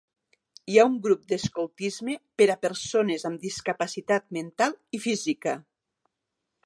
Hi ha un grup d'escoltisme per a persones amb discapacitat mental i física.